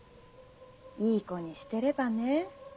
いい子にしてればね。